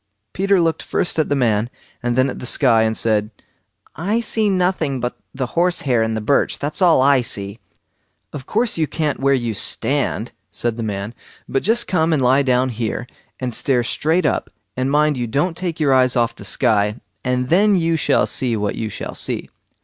Peter looked first at the man, and then at the sky, and said: "I see nothing but the horse hair in the birch; that's all I see!" "Of course you can't where you stand", said the man; "but just come and lie down here, and stare straight up, and mind you don't take your eyes off the sky; and then you shall see what you shall see."